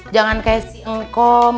jangan kayak si engkom